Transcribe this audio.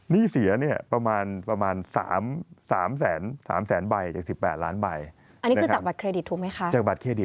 นี่เสียประมาณ๓แสนใบจาก๑๘ล้านใบ